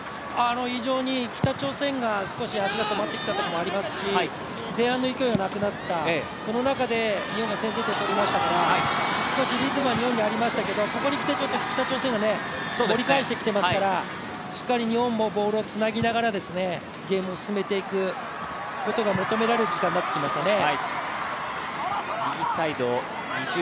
非常に北朝鮮が少し足が止まってきたところもありますし前半の勢いはなくなった、その中で日本が先制点を取りましたから、少しリズムは日本にありましたけど、ここへきて北朝鮮が盛り返してきていますからしっかり日本もボールはつなぎながらゲームを進めていくことが求められる時間になってきましたね。